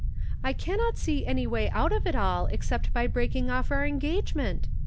I cannot see any way out of it all except by breaking off our engagement.